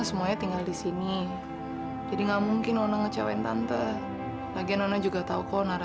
sampai jumpa di video selanjutnya